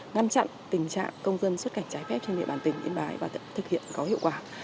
ngăn chặn tình trạng công dân xuất cảnh trái phép trên địa bàn tỉnh yên bái và thực hiện có hiệu quả